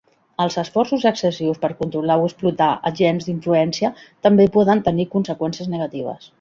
Els esforços excessius per controlar o explotar agents d'influència també poden tenir conseqüències negatives.